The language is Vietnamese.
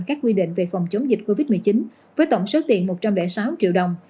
các quy định về phòng chống dịch covid một mươi chín với tổng số tiền một trăm linh sáu triệu đồng